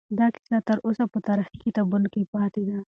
دا کیسه تر اوسه په تاریخي کتابونو کې پاتې ده.